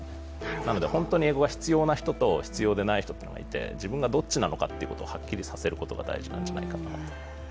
なので本当に英語が必要な人と必要でない人がいて自分がどっちなのかということをはっきりさせることが大事なのではないかと。